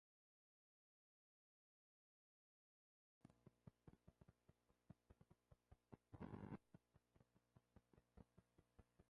En los círculos conservadores del interior del país, estas medidas fueron interpretadas como "herejías".